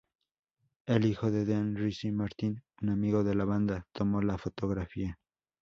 El hijo de Dean Ricci Martin, un amigo de la banda, tomó la fotografía.